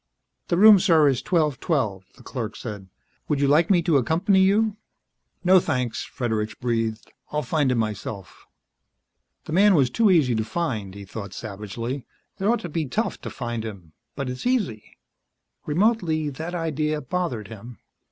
"The room, sir, is 1212," the clerk said. "Would you like me to accompany you " "No thanks," Fredericks breathed. "I'll find it myself." The man was too easy to find, he thought savagely. It ought to be tough to find him but it's easy. Remotely, that idea bothered him.